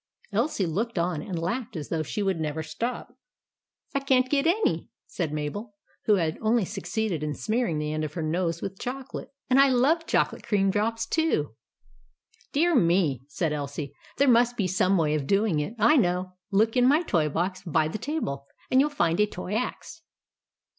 Elsie looked on and laughed as though she would never stop. " I can't get any," said Mabel, who had only succeeded in smearing the end of her nose with chocolate ;" and I love chocolate cream drops, too." THE GIANT'S CASTLE 173 " Dear me," said Elsie, " there must be some way of doing it. I know ! Look in my toy box by the table, and you '11 find a toy axe."